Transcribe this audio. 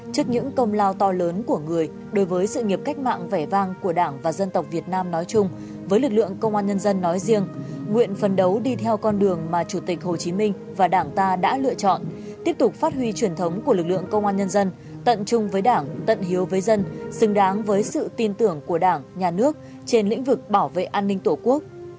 trước những công lao to lớn của người đối với sự nghiệp cách mạng vẻ vang của đảng và dân tộc việt nam nói chung với lực lượng công an nhân dân nói riêng nguyện phấn đấu đi theo con đường mà chủ tịch hồ chí minh và đảng ta đã lựa chọn tiếp tục phát huy truyền thống của lực lượng công an nhân dân tận chung với đảng tận hiếu với dân xứng đáng với sự tin tưởng của đảng nhà nước trên lĩnh vực bảo vệ an ninh tổ quốc